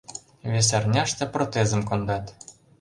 Вес арняште протезым кондат.